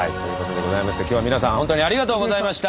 今日は皆さん本当にありがとうございました。